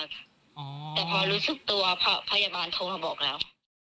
แต่พอรู้สึกตัวพยาบาลโทรมาบอกแล้ว